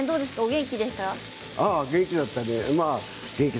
元気だったね。